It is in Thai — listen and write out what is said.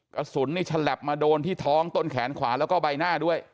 กระสุนนี่ฉลับมาโดนที่ท้องต้นแขนขวาแล้วก็ใบหน้าด้วย